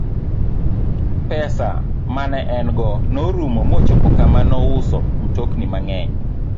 Pesa ma ne en go norumo mochopo kama nouso mtokni mang'eny.